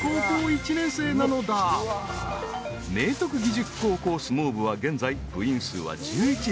［明徳義塾高校相撲部は現在部員数は１１人］